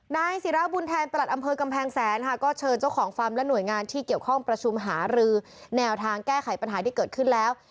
นายศิราบุญแทนประหลัดอำเภอกำแพงแสนค่ะก็เชิญเจ้าของฟาร์มและหน่วยงานที่เกี่ยวข้องประชุมหารือแนวทางแก้ไขปัญหาที่เกิดขึ้นแล้ว